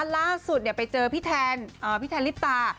ล่าสุดไปเจอพี่แทนพี่แทนลิปตา